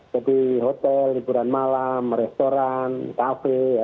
jadi hotel liburan malam restoran kafe ya